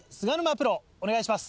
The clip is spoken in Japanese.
プロお願いします。